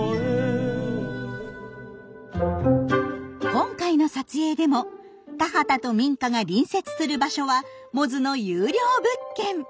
今回の撮影でも田畑と民家が隣接する場所はモズの優良物件。